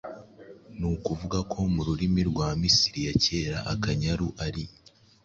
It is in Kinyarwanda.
Ni ukuvuga ko mu rurimi rwa Misiri ya kera Akanyaru ari “